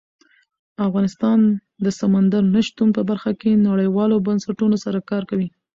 افغانستان د سمندر نه شتون په برخه کې نړیوالو بنسټونو سره کار کوي.